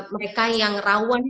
mereka yang rawan